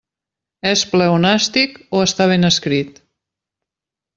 És pleonàstic o està ben escrit?